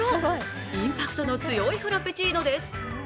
インパクトの強いフラペチーノです。